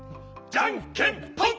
じゃんけんぽい！